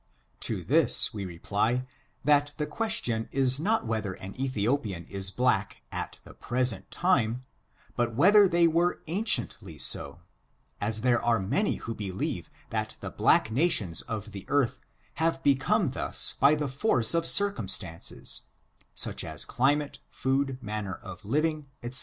To this we reply, that the question is not whether an Ethiopian is black at the present time, but whether they were anciently so — as there are many who be lieve that the black nations of the earth have beconjc thus by the force of circumstances, such as climato, food, manner of living, dz;c.